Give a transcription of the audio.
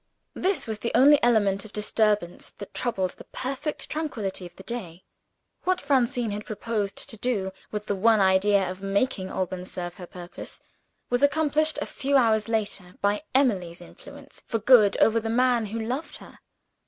This was the only element of disturbance that troubled the perfect tranquillity of the day. What Francine had proposed to do, with the one idea of making Alban serve her purpose, was accomplished a few hours later by Emily's influence for good over the man who loved her.